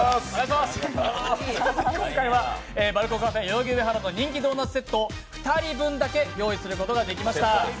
今回はＢａｌｕｋｏＣａｆｅ代々木上原の人気ドーナツセット２人分だけ用意することができました。